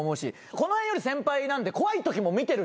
この辺より先輩なんで怖いときも見てるし。